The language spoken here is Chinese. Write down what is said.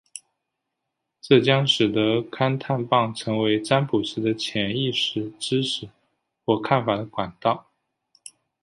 这将使得探测棒成为占卜师的潜意识知识或看法的管道。